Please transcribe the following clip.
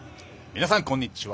皆さん、こんにちは。